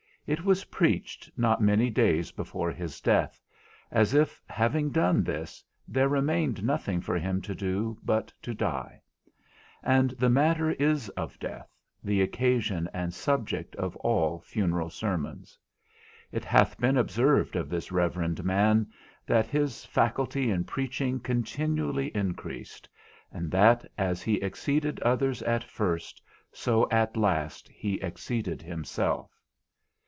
It was preached not many days before his death, as if, having done this, there remained nothing for him to do but to die; and the matter is of death the occasion and subject of all funeral sermons. It hath been observed of this reverend man, that his faculty in preaching continually increased, and that, as he exceeded others at first, so at last he exceeded himself.